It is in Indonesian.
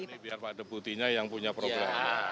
ini biar pak deputinya yang punya program